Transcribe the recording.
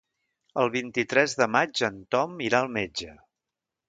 El vint-i-tres de maig en Tom irà al metge.